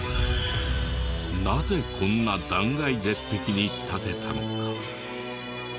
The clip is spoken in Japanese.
なぜこんな断崖絶壁に建てたのか？